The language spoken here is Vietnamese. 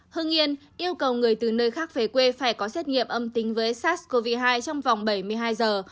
hưng yên yêu cầu người từ nơi khác về quê phải có xét nghiệm âm tính với sars cov hai trong vòng bảy mươi hai giờ